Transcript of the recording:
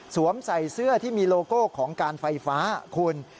ใส่เสื้อที่มีโลโก้ของการไฟฟ้าคุณ